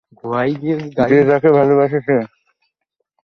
যে যাকে ভালবাসে সে তার কাছে যেতে পারে।